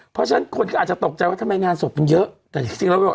เพราะฉะนั้นคนก็อาจจะตกใจว่าทำไมงานศพมันเยอะแต่จริงจริงแล้ว